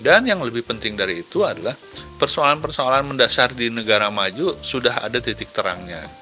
dan yang lebih penting dari itu adalah persoalan persoalan mendasar di negara maju sudah ada titik terangnya